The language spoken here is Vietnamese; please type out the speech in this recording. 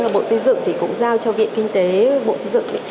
bộ xây dựng thì cũng giao cho viện kinh tế bộ xây dựng